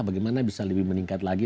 bagaimana bisa lebih meningkat lagi